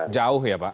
jauh ya pak